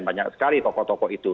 banyak sekali tokoh tokoh itu